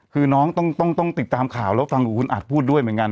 คือน้องต้องติดตามข่าวแล้วฟังกับคุณอัดพูดด้วยเหมือนกัน